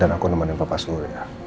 dan aku nemenin papa surya